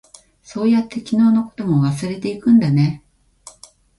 そうやって、昨日のことも忘れていくんだね。